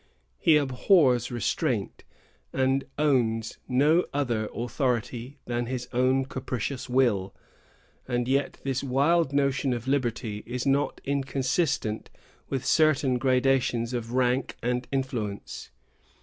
He abhors restraint, and owns no other authority than his own capricious will; and yet this wild notion of liberty is not inconsistent with certain gradations of rank and influence.